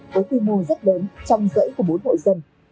với tiêu mô rất lớn trong dãy của bốn hội